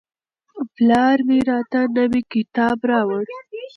پلار مې راته نوی کتاب راوړ.